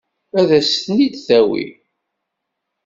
Ad sen-ten-id-tawi?